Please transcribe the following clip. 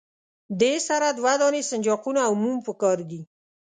دې سره دوه دانې سنجاقونه او موم پکار دي.